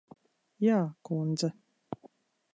Jā, kundze.